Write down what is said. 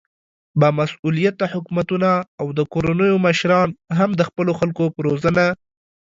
با مسؤليته حکومتونه او د کورنيو مشران هم د خپلو خلکو په روزنه